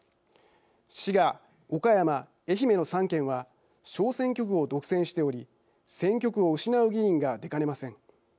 滋賀、岡山、愛媛の３県は小選挙区を独占しており選挙区を失う議員が出かねません。